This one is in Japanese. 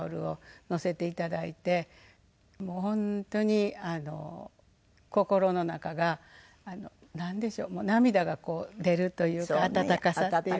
もう本当に心の中がなんでしょう涙が出るというか温かさっていう。